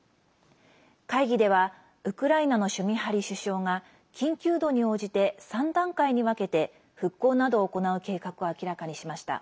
会議ではウクライナのシュミハリ首相が緊急度に応じて３段階に分けて復興などを行う計画を明らかにしました。